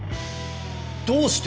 どうして！？